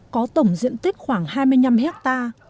có tổng diện tích khoảng hai mươi năm hectare